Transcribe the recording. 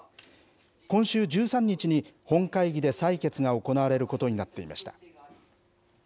今週１３日に本会議で採決が行われることになっていました。